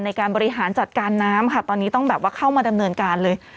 ในการบริหารจัดการน้ำค่ะตอนนี้ต้องแบบว่าเข้ามาดำเนินการเลย